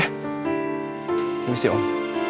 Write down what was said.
terima kasih om